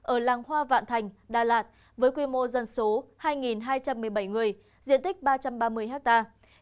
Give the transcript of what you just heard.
ở làng hoa vạn thành đà lạt với quy mô dân số hai hai trăm một mươi bảy người diện tích ba trăm ba mươi hectare